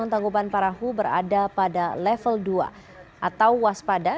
tanggupan parahu berada pada level dua atau waspada